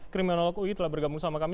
kriminal lok ui telah bergabung sama kami